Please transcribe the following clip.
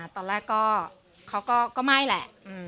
ตอนแรกเขาก็ไม่แหละ